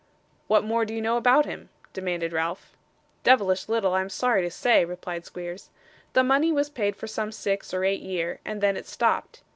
'What more do you know about him?' demanded Ralph. 'Devilish little, I'm sorry to say,' replied Squeers. 'The money was paid for some six or eight year, and then it stopped.